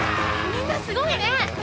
みんなすごいね。